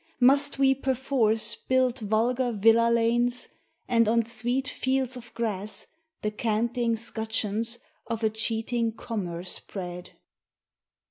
Must we perforce build vulgar villa lanes, And on sweet fields of grass The canting scutcheons of a cheating commerce spread?